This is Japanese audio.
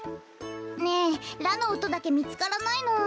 ねえラのおとだけみつからないの。